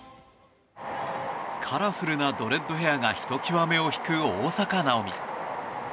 カラフルなドレッドヘアがひときわ目を引く大坂なおみ。